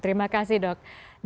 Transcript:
terima kasih dok